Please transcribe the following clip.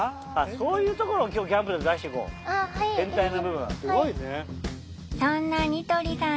あっそういうところを今日キャンプで出していこう。